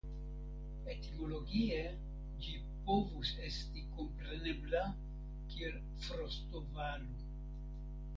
Etimologie ĝi povus estis komprenebla kiel Frostovalo.